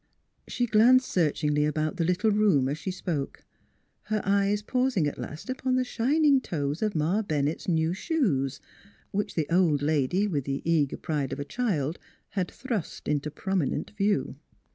She glanced searchingly about the little room, as she spoke, her eyes pausing at last upon the shining toes of Ma Bennett's new shoes, which the old lady with the eager pride of a child had thrust into prominent view.